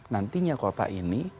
nantinya kota ini